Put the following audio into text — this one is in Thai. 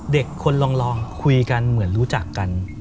เด็กคนลองคุยกันเหมือนรู้จักกัน